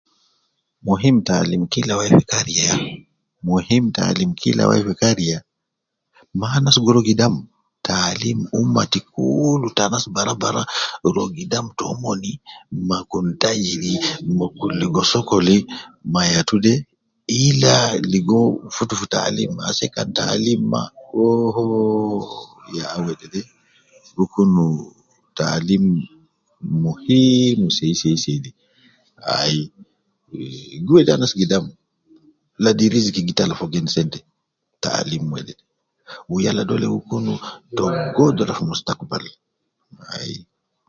Muhim te alim kila wai fi kariya, muhim te alim kila wai fi kariya, ma anas gi rua gidam, taalim ummati kulu te anas bara bara rua gidam tomon ma kun tayili ma kun ligo sokole ma yatu de, illa ligo taalim ase kan taalim ma, wo ho, ya wedede ,gi kunu taalim, muhimu sei sei sei de, ayi gi, gi wedi anas, ladi rizigi gi tala fogo in sent,e taalim wedede, wu yala dole gi kunu ta gudra fi mustakbal , ai